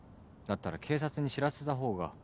だったら警察に知らせた方が。